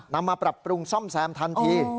มาปรับปรุงซ่อมแซมทันที